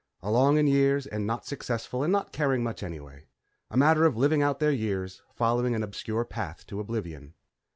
Along in years and not successful and not caring much anyway. A matter of living out their years, following an obscure path to oblivion.